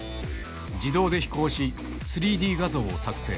自動で飛行し、３Ｄ画像を作成。